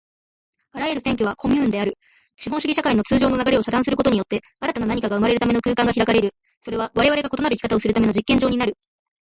あらゆる占拠はコミューンである。資本主義社会の通常の流れを遮断することによって、新たな何かが生まれるための空間が開かれる。それはわれわれが異なる生き方をするための実験の場になる。